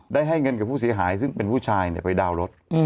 ได้ให้เงินกับผู้เสียหายซึ่งเป็นผู้ชายไปดาวน์รถ